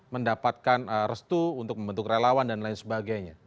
mendapatkan restu untuk membentuk relawan dan lain sebagainya